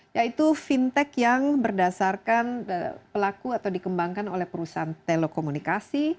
yaitu fintech yang berdasarkan pelaku atau dikembangkan oleh perusahaan telekomunikasi